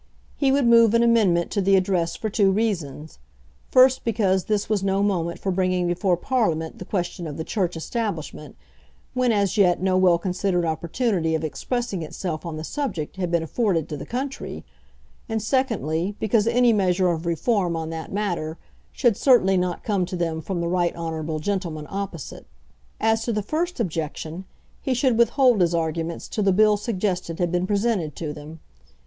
He would move an amendment to the Address for two reasons, first because this was no moment for bringing before Parliament the question of the Church establishment, when as yet no well considered opportunity of expressing itself on the subject had been afforded to the country, and secondly because any measure of reform on that matter should certainly not come to them from the right honourable gentleman opposite. As to the first objection, he should withhold his arguments till the bill suggested had been presented to them.